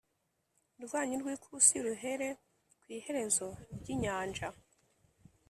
Rwanyu rw ikusi ruhere ku iherezo ry inyanja